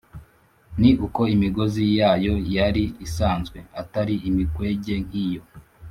ni uko imigozi yayo yari isanzwe atari imikwege nk’iyo